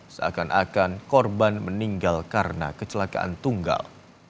seakan akan korban meninggal karena kecelakaan tunggal